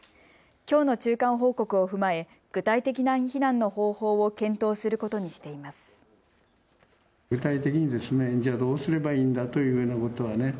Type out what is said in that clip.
きょうの中間報告を踏まえ具体的な避難の方法を検討することにしています。